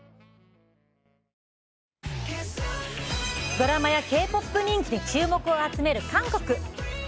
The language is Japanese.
ドラマやＫーＰＯＰ人気で注目を集める韓国